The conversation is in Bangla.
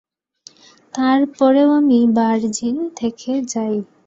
তারপরেও আমি ভার্জিন থেকে যাই৷